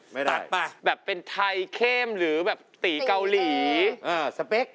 ตัดไปแบบเป็นไทยเข้มหรือแบบตีเกาหลีสเปค